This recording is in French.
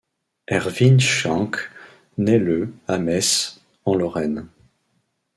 Erwin Schenk naît le à Metz en Lorraine.